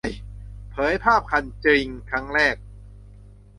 เผยภาพคันจริงครั้งแรก